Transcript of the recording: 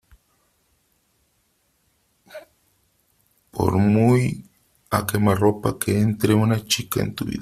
por muy a_quemarropa que entre una chica en tu vida ,